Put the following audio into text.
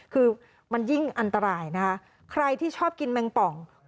คือมันยิ่งอันตรายนะคะใครที่ชอบกินแมงป่อง